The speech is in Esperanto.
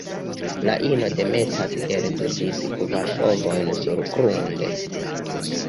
La ino demetas el du ĝis kvar ovojn surgrunde.